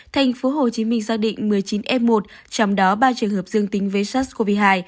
tp hcm xác định một mươi chín f một trong đó ba trường hợp dương tính với sars cov hai